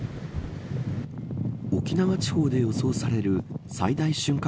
沖縄地方で予想される最大瞬間